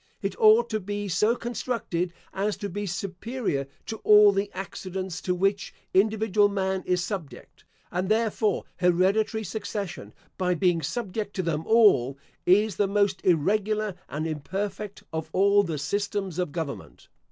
It ought to be so constructed as to be superior to all the accidents to which individual man is subject; and, therefore, hereditary succession, by being subject to them all, is the most irregular and imperfect of all the systems of government.